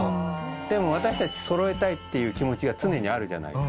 でも私たちそろえたいっていう気持ちが常にあるじゃない。